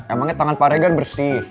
emangnya tangan pak regan bersih